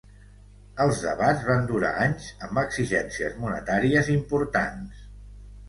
Els debats van durar anys amb exigències monetàries importants.